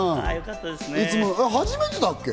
初めてだっけ？